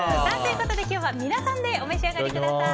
今日は皆さんでお召し上がりください。